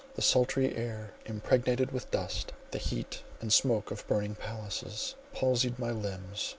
The sultry air impregnated with dust, the heat and smoke of burning palaces, palsied my limbs.